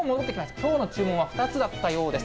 きょうの注文は２つだったようです。